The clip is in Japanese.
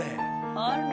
あら。